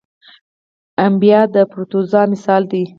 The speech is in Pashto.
امیبا د پروټوزوا مثال دی